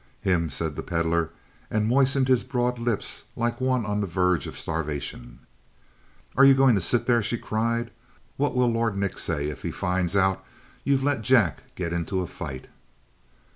"Him?" said the Pedlar, and moistened his broad lips like one on the verge of starvation. "Are you going to sit here?" she cried. "What will Lord Nick say if he finds out you've let Jack get into a fight?"